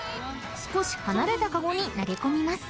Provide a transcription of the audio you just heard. ［少し離れたかごに投げ込みます］